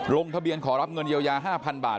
ลงทะเบียนขอรับเงินเยียวยา๕๐๐บาท